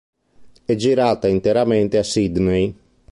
È girata interamente a Sydney.